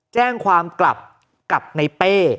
แจ้งความกลับกับในเป้